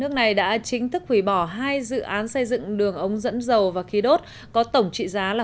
nước này đã chính thức hủy bỏ hai dự án xây dựng đường ống dẫn dầu và khí đốt có tổng trị giá là